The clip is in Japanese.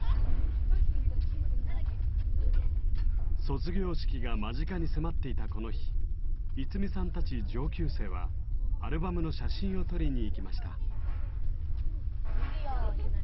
卒業式が間近に迫っていたこの日愛実さんたち上級生はアルバムの写真を撮りに行きました。